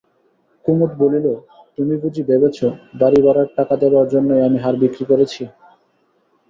কুমুদ বলিল, তুমি বুঝি ভেবেছ বাড়িভাড়ার টাকা দেবার জন্যই আমি হার বিক্রি করেছি?